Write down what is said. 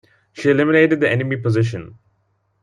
She eliminated the enemy position.